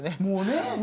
もうね。